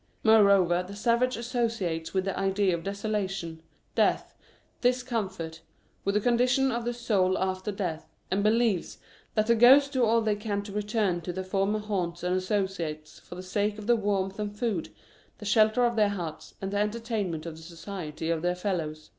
Moreover, the savage associates the idea of desola tion, death, discomfort, with the condition of the soul after death, and believes that the ghosts do all they can to return to their former haunts and associates for the sake of the warmth and food, the shelter of the huts, and the entertainment of the society of their fellows.